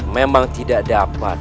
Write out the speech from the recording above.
memang tidak dapat